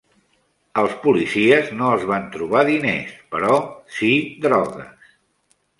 Els policies no els van trobar diners, però sí drogues.